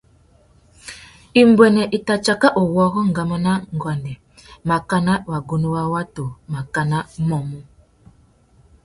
Imbuênê i tà tsaka uwôrrô ngama nà nguêndê makana wagunú wa watu makana mamú.